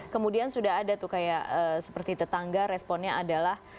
kemudian sudah ada tuh kayak seperti tetangga responnya adalah